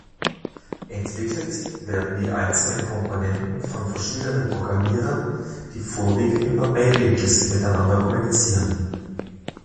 Entwickelt werden die einzelnen Komponenten von verschiedenen Programmierern, die vorwiegend über Mailinglisten miteinander kommunizieren.